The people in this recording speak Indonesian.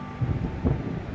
ya tuhan kami berdoa